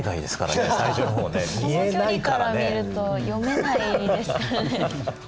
この距離から見ると読めないですからね。